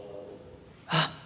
あっ！